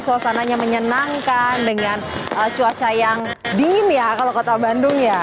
suasananya menyenangkan dengan cuaca yang dingin ya kalau kota bandung ya